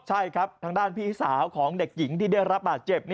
ใช่ครับทางด้านพี่สาวของเด็กหญิงที่ได้รับบาดเจ็บ